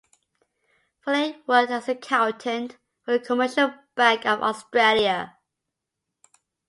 Foley worked as an accountant for the Commercial Bank of Australia.